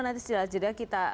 nanti setelah jeda kita